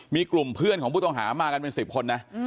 มีกลุ่มเพื่อนของผู้ต้องหามากันเป็น๑๐คนนะ